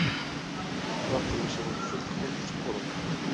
ئېتىراپ قىلىنىشىڭىز ئۈچۈن تېخىمۇ كۈچلۈك بولۇڭ!